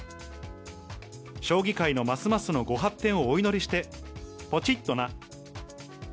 将棋界のますますのご発展をお祈りして、ぽちっとな。